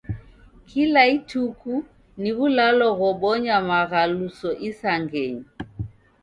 Kila ituku ni w'ulalo ghobonya maghaluso isangenyi.